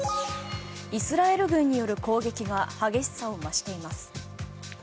イスラエル軍による攻撃が激しさを増しています。